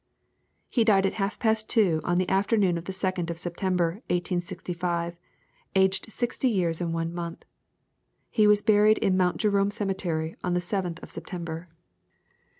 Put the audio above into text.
He died at half past two on the afternoon of the 2nd of September, 1865, aged sixty years and one month. He was buried in Mount Jerome Cemetery on the 7th of September.